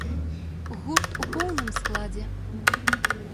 Гурт у поўным складзе.